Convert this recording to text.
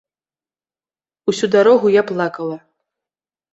Усю дарогу я плакала.